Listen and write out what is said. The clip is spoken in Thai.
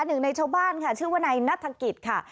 หนึ่งในชาวบ้านค่ะชื่อว่านายนัฐกิจค่ะ